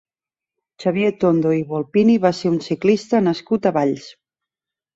Xavier Tondo i Volpini va ser un ciclista nascut a Valls.